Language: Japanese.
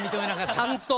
ちゃんと。